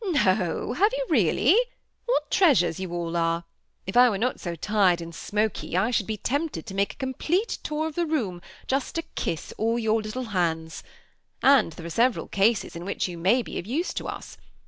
^ No, have you really ? what treasures you aB are ! 1£ I were not so tired lusd smoky I 'should be tempted to make a complete, tour of ihe room^ just to kus bH your little hands. And there are seveml eaa^ in wUdi you may be of use to us.